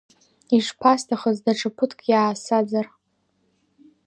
Ишԥасҭахыз даҽа ԥыҭк иаасаӡар…